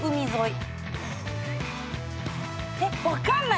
えっ分かんない。